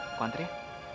aku antar ya